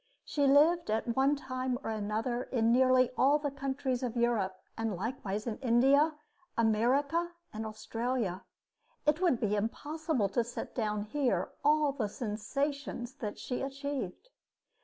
She lived at one time or another in nearly all the countries of Europe, and likewise in India, America, and Australia. It would be impossible to set down here all the sensations that she achieved.